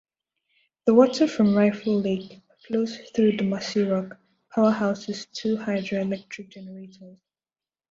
The water from Riffe Lake flows through the Mossyrock Powerhouse's two hydroelectric generators.